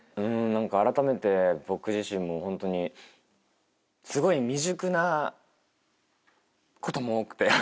何かあらためて僕自身もホントにすごい未熟なことも多くて。